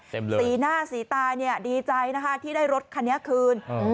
สีหน้าสีตาเนี่ยดีใจนะคะที่ได้รถคันนี้คืน